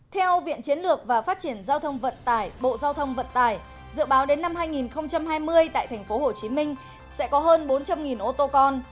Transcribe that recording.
theo viện chiến lược và phát triển giao thông vận tải bộ giao thông vận tải dự báo đến năm hai nghìn hai mươi tại tp hcm sẽ có hơn bốn trăm linh ô tô con